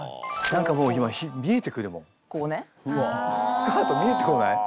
スカート見えてこない？